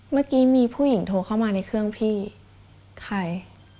เมื่อกี้มีผู้หญิงโทรเข้ามาในเครื่องพี่ใคร